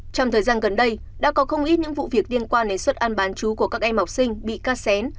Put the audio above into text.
trong thời gian gần đây đã có không ít những vụ việc liên quan đến xuất an bán chú của các em học sinh bị cắt xén